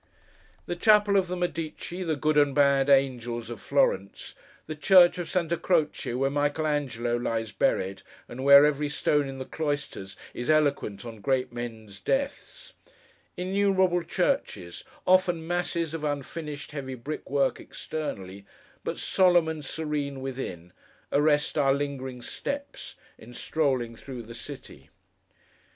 The chapel of the Medici, the Good and Bad Angels, of Florence; the church of Santa Croce where Michael Angelo lies buried, and where every stone in the cloisters is eloquent on great men's deaths; innumerable churches, often masses of unfinished heavy brickwork externally, but solemn and serene within; arrest our lingering steps, in strolling through the city.